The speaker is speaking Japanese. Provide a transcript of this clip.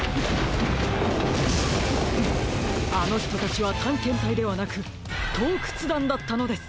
あのひとたちはたんけんたいではなくとうくつだんだったのです！